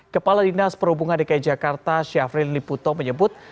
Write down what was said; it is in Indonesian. kepala dinas perhubungan dki jakarta syafrin liputo menyebut